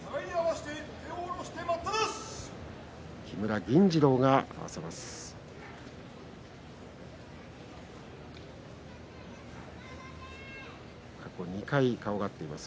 木村銀治郎が合わせます。